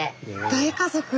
大家族。